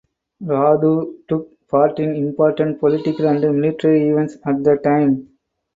Radu took part in important political and military events at the time.